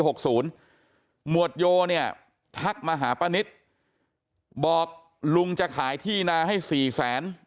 หมวดโยเนี่ยทักมาหาป้านิตบอกลุงจะขายที่นาให้สี่แสน